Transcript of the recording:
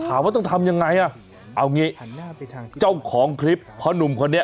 ถามว่าต้องทำยังไงด่ะเอาเง่อเจ้าของขริปพ่อนุ่มคนนี้